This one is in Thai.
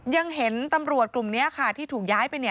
ยังเห็นตำรวจกลุ่มนี้ค่ะที่ถูกย้ายไป